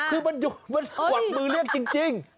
คือมันกวากมือเลี่ยงจริง